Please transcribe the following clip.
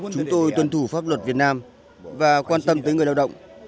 chúng tôi tuân thủ pháp luật việt nam và quan tâm tới người lao động